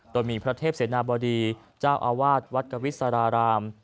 โดยมีพระเทพเสนาบดีเจ้าอาวาสวัดกวิสาราราม